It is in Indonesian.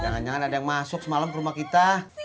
jangan jangan ada yang masuk semalam ke rumah kita